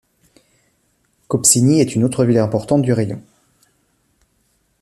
Cupcini est une autre ville importante du raion.